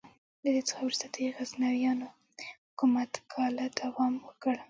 له دې څخه وروسته د غزنویانو حکومت کاله دوام وکړ.